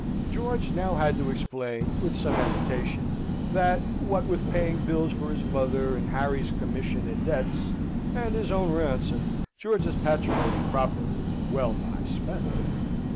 George now had to explain, with some hesitation, that what with paying bills for his mother, and Harry's commission and debts, and his own ransom George's patrimony proper was well nigh spent.